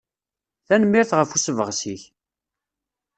Tanemmirt ɣef usebɣes-ik.